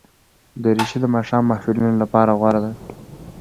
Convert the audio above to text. دریشي د ماښام محفلونو لپاره غوره ده.